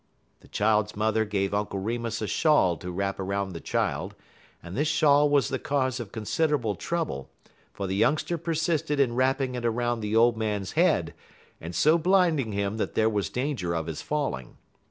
The child's mother gave Uncle Remus a shawl to wrap around the child, and this shawl was the cause of considerable trouble, for the youngster persisted in wrapping it around the old man's head, and so blinding him that there was danger of his falling.